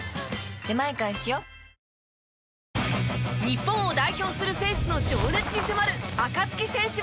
日本を代表する選手の情熱に迫るアカツキ選手